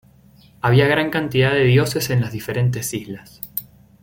Había gran cantidad de dioses en las diferentes islas.